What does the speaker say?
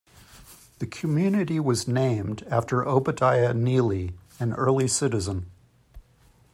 The community was named after Obadiah Neely, an early citizen.